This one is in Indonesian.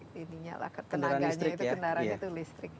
kenaganya itu kendaraan itu listrik